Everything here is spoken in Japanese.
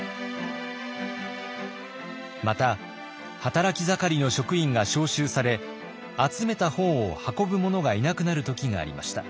また働き盛りの職員が召集され集めた本を運ぶ者がいなくなる時がありました。